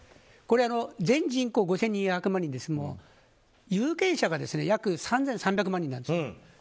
全人口５２００万人の中で有権者が約３３００万人なんですね。